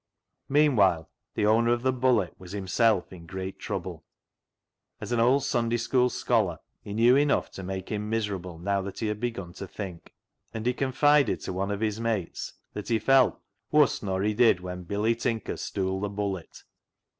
Meanwhile the owner of the " Bullet " was himself in great trouble. As an old Sunday School scholar he knew enough to make him " BULLET" PIE 209 miserable, now that he had begun to think, and he confided to one of his mates that he felt " wuss nor he did when Billy Tinker stool th' ' Bullet.'